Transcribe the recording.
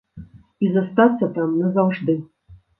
І застацца там назаўжды.